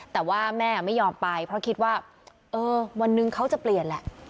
แต่ว่าแม่ไม่ยอมไปเพราะคิดว่าเออวันหนึ่งเขาจะเปลี่ยนแหละ